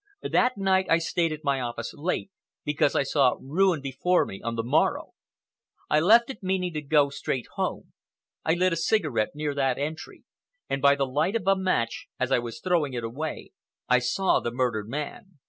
"That night I stayed at my office late because I saw ruin before me on the morrow. I left it meaning to go straight home. I lit a cigarette near that entry, and by the light of a match, as I was throwing it away, I saw the murdered man.